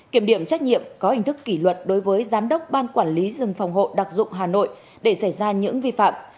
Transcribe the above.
kiểm điểm trách nhiệm có hình thức kỷ luật đối với giám đốc ban quản lý rừng phòng hộ đặc dụng hà nội để xảy ra những vi phạm